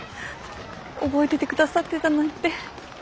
覚えててくださってたなんて。